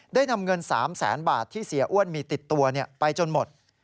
ได้นำเงิน๓แสนบาทที่เสียอ้วนมีติดตัวไปจนหมด